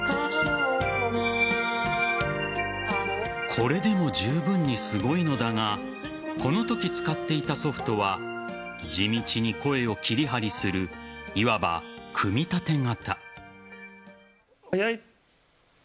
これでも十分にすごいのだがこのとき使っていたソフトは地道に声を切り貼りするいわば、組み立て型。